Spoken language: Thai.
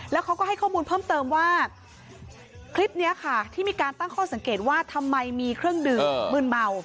แล้วเขาก็ให้ข้อมูลเพิ่มเติมว่าคลิปนี้ค่ะที่มีการตั้งข้อสังเกตว่าทำไมมีเครื่องดื่มมืนเมา